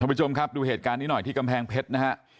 ผู้ชมครับดูเหตุการณ์นี้หน่อยที่กำแพงเพชรนะฮะ